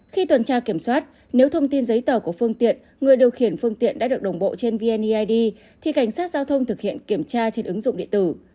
khi tuần tra kiểm soát nếu thông tin giấy tờ của phương tiện người điều khiển phương tiện đã được đồng bộ trên vneid thì cảnh sát giao thông thực hiện kiểm tra trên ứng dụng điện tử